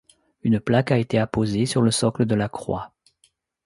Une plaque a été apposée sur le socle de la croix.